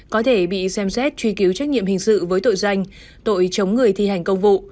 có thể bị xem xét truy cứu trách nhiệm hình sự với tội danh tội chống người thi hành công vụ